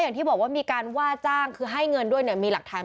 อย่างที่บอกว่ามีการว่าจ้างคือให้เงินด้วยเนี่ยมีหลักฐาน